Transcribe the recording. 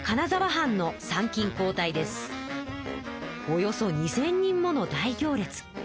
およそ２，０００人もの大行列。